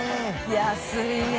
安いね。